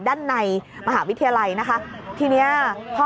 ก็ไม่มีอำนาจ